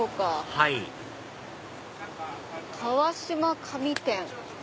はい「川島紙店」。